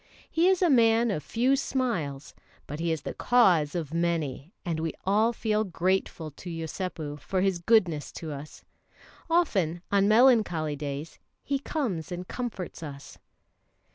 He is a man of few smiles; but he is the cause of many, and we all feel grateful to Yosépu for his goodness to us. Often on melancholy days he comes and comforts us.